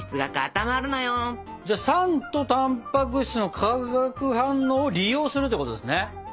酸とたんぱく質の化学反応を利用するってことですね。